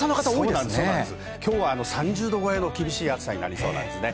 ３０度超えの厳しい暑さになりそうなんですね。